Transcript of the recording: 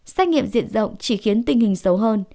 xét nghiệm diện rộng chỉ khiến tình hình xấu hơn